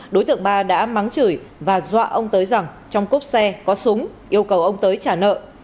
đối tượng ba đã mắng chửi và dọa ông tới rằng trong cốp xe có súng yêu cầu ông tới trả nợ